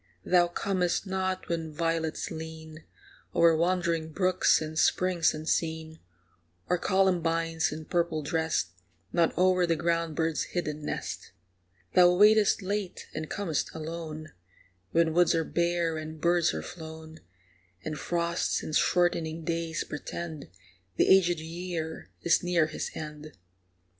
Thou comest not when violets lean O'er wandering brooks and springs unseen, Or columbines, in purple dressed, Nod o'er the ground bird's hidden nest. Thou waitest late and com'st alone, When woods are bare and birds are flown, And frosts and shortening days portend The aged year is near his end.